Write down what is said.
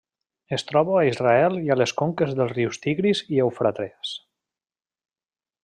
Es troba a Israel i a les conques dels rius Tigris i Eufrates.